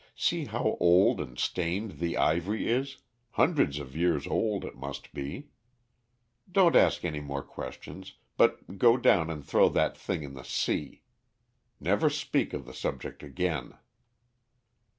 See how old and stained the ivory is; hundreds of years old, it must be. Don't ask any more questions, but go and throw that thing in the sea. Never speak of the subject again."